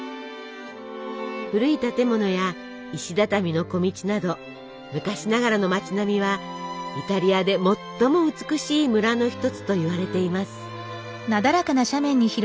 古い建物や石畳の小道など昔ながらの町並みはイタリアで最も美しい村の一つといわれています。